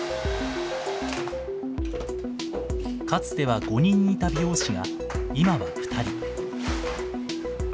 かつては５人いた美容師が今は２人。